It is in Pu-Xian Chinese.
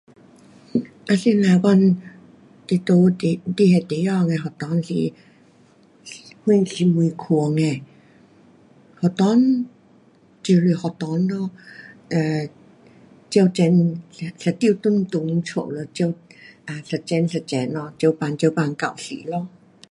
啊怎样讲，你在你那地方的学堂是什什么款的，学堂就是学堂咯，um 各层一间长长的家咯，啊一层一层咯，各班各班教室咯。